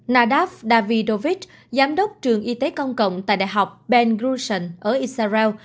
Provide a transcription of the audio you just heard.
nadav davidovich giám đốc trường y tế công cộng tại đại học ben grushen ở israel